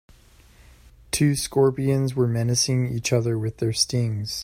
Two scorpions were menacing each other with their stings.